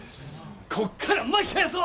こっから巻き返そ！